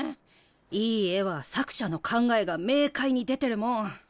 いい絵は作者の考えが明快に出てるもん。